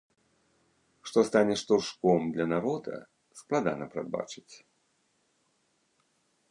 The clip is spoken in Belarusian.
Што стане штуршком для народа, складана прадбачыць.